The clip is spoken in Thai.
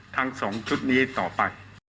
ทั้ง๒ชุดนี้ต่อไป